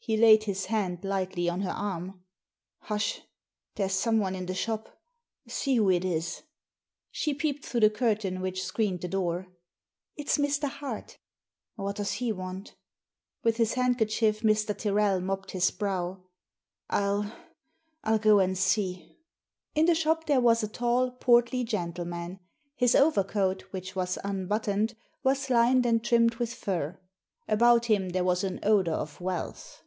He laid his hand lightly on her arm. " Hush ! There's someone in the shop. See who it is." She peeped through the curtain which screened the door. "It's Mr. Hart" "What does he want?" With his handkerchief Mr. Tyrrel mopped his brow. " I'll — I'll go and see." In the shop there was a tall, portly gentleman. His overcoat, which was unbuttoned, was lined and trimmed with fur. About him there was an odour of wealth.